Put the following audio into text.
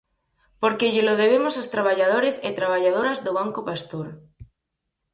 Porque llelo debemos aos traballadores e traballadoras do Banco Pastor.